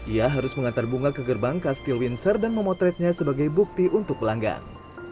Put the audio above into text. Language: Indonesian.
ia harus mengantar bunga ke gerbang kastil windsor dan memotretnya sebagai bukti untuk pelanggan